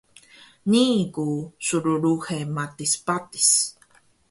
Nii ku slluhe matis patis